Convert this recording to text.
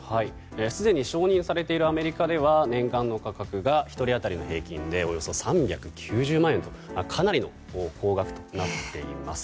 すでに承認されているアメリカでは年間の価格が１人当たりの平均でおよそ３９０万円とかなり高額となっています。